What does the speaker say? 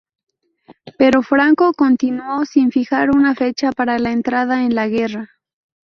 Pero Franco continuó sin fijar una fecha para la entrada en la guerra.